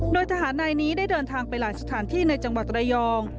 โดยทหารนายนี้ได้เดินทางไปหลายสถานที่ในจังหวัดระยอง